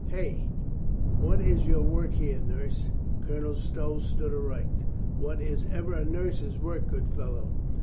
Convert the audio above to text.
Hey ! What is your work here, nurse?" Colonel Stow stood erect. "What is ever a nurse's work, good fellow?"